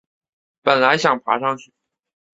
本来想爬上去